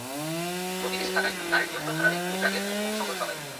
গতি বেশি থাকায় গাড়ির নিয়ন্ত্রণ হারালে দুই ট্রাকের মুখোমুখি সংঘর্ষ হয়।